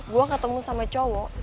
gue ketemu sama cowok